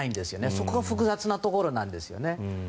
そこが複雑なところなんですよね。